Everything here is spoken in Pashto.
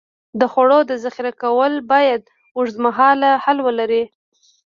د خوړو ذخیره کول باید اوږدمهاله حل ولري.